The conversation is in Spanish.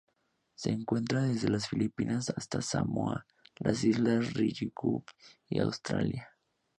Se encuentra desde las Filipinas hasta Samoa, las Islas Ryukyu y Australia.